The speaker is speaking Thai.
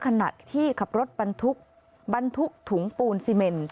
ขณะที่ขับรถบรรทุกบรรทุกถุงปูนซีเมน